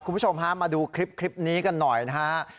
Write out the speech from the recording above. คุณผู้ชมฮะมาดูคลิปนี้กันหน่อยนะฮะ